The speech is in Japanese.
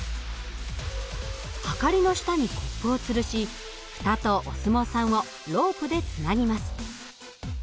はかりの下にコップをつるし蓋とお相撲さんをロープでつなぎます。